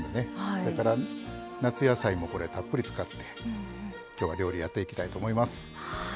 それから夏野菜もたっぷり使ってきょうは料理やっていきたいと思います。